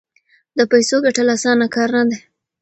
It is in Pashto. د پیسو ګټل اسانه کار نه دی.